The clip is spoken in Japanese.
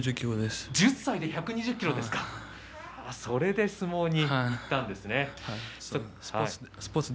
それで相撲にいったんですね。